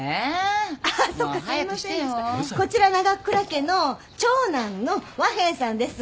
こちら長倉家の長男の和平さんです。